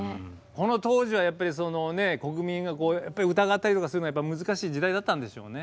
この当時はやっぱり国民が疑ったりとかするの難しい時代だったんでしょうね。